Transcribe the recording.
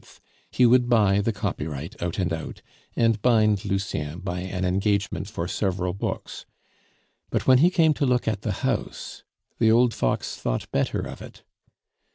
_; he would buy the copyright out and out, and bind Lucien by an engagement for several books, but when he came to look at the house, the old fox thought better of it.